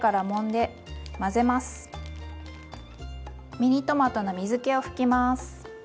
ミニトマトの水けを拭きます。